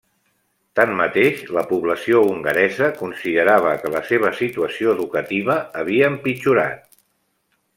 Tanmateix, la població hongaresa considerava que la seva situació educativa havia empitjorat.